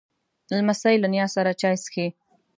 لمسی له نیا سره چای څښي.